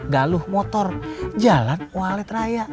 galuh motor jalan walet raya